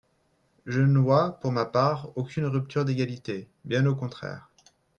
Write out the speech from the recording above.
Je ne vois, pour ma part, aucune rupture d’égalité, bien au contraire.